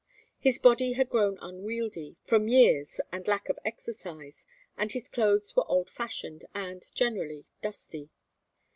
His body had grown unwieldy from years and lack of exercise, and his clothes were old fashioned and, generally, dusty.